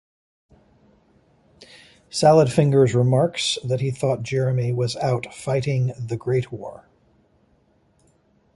Salad Fingers remarks that he thought Jeremy was out "fighting the Great War".